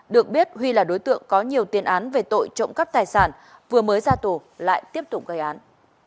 được biết huy là đối tượng có nhiều tiền án về tội trộm cắp tài sản vừa mới ra tù lại tiếp tục gây án